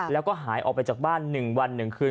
แล้วก็หายออกไปจากบ้าน๑วัน๑คืน